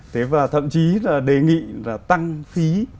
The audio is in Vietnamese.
thế và thậm chí là đề nghị là tăng phí